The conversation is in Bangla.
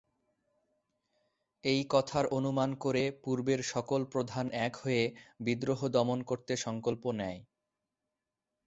এই কথার অনুমান করে পূর্বের সকল প্রধান এক হয়ে বিদ্রোহ দমন করতে সংকল্প নেয়।